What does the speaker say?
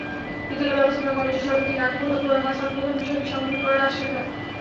বিদ্যালয় ব্যবস্থাপনা কমিটির সভাপতি নকিবুল হাসান প্রধান বিষয়টি সমাধান করার আশ্বাস দেন।